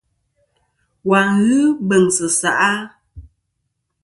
Wà n-ghɨ beŋsɨ seʼ a?